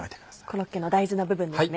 コロッケの大事な部分ですね。